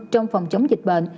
trong phòng chống dịch bệnh